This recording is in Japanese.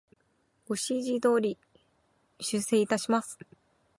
ご指示の通り、修正いたします。